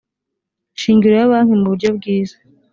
shingiro ya banki mu buryo bwiza